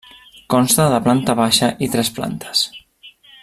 Consta de planta baixa i tres plantes.